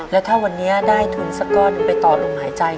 แล้วถ้าวันนี้ได้ทุนสักก้อนหนึ่งไปต่อลมหายใจ